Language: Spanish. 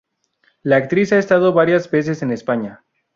La actriz ha estado varias veces en España.